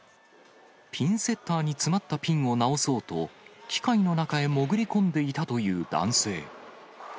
ピンセッターに詰まったピンを直そうと、機械の中へ潜り込んでいたという男性。